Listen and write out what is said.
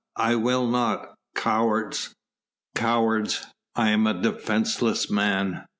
I will not!... Cowards! cowards! I am a defenceless man!...